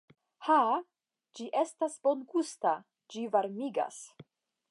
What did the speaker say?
Ha, ĝi estas bongusta, ĝi varmigas!